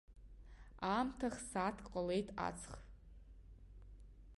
Аамҭах-сааҭк ҟалеит аҵых.